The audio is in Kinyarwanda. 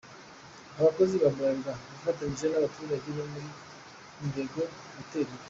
Abakozi ba Bralirwa bafatanyije n'abaturage bo muri Ndego gutera ibiti.